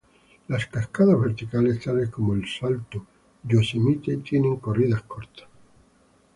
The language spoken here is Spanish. Las cascadas verticales, tales como el Salto Yosemite, tienen corridas cortas.